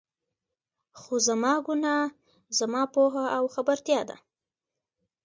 خو زما ګناه، زما پوهه او خبرتيا ده.